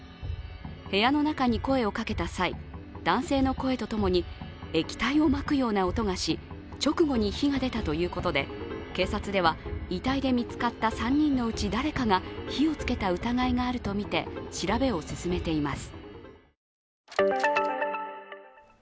部屋の中に声をかけた際、男性の声とともに液体をまくような音がし直後に火が出たということで、警察では遺体で見つかった３人のうち誰かが火をつけた疑いがあるとみて調べを進めています。